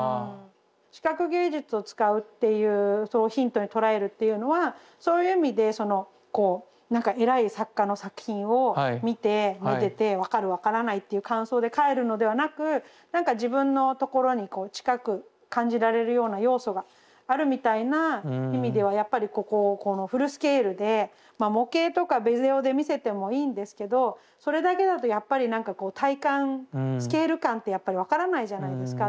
視覚芸術を使うっていうそうヒントに捉えるっていうのはそういう意味でこう何か偉い作家の作品を見てめでて分かる分からないっていう感想で帰るのではなく何か自分のところにこう近く感じられるような要素があるみたいな意味ではやっぱりここをこのフルスケールでまあ模型とかビデオで見せてもいいんですけどそれだけだとやっぱり何か体感スケール感ってやっぱり分からないじゃないですか。